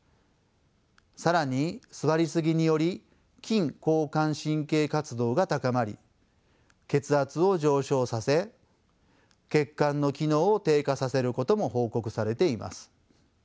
更に座りすぎにより筋交感神経活動が高まり血圧を上昇させ血管の機能を低下させることも報告されています。